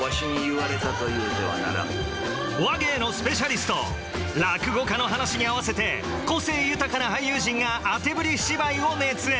話芸のスペシャリスト落語家の噺に合わせて個性豊かな俳優陣があてぶり芝居を熱演！